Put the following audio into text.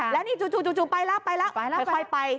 แล้วนี่จู่ไปแล้วไปแล้วค่อยไป